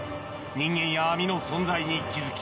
人間や網の存在に気付き